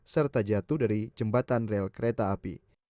serta jatuh dari jembatan rel kereta api